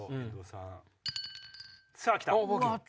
さぁきた！